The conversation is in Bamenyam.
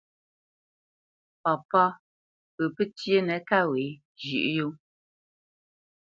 Papá pə pətíénə kâ wě zhʉ̌ʼ yó.